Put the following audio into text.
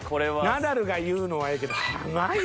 ナダルが言うのはええけど濱家。